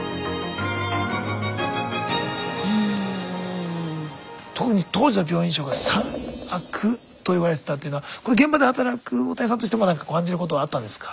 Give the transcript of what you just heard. うん特に当時の病院食は「３悪」と言われてたっていうのはこれ現場で働く大谷さんとしても何か感じることはあったんですか？